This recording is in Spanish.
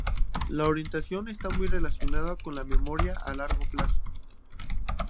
La orientación está muy relacionada con la memoria a largo plazo.